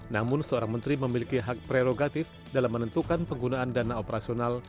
namun seorang menteri memiliki hak prerogatif dalam menentukan penggunaan dana operasional